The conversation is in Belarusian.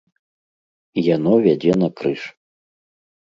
Яно вядзе на крыж.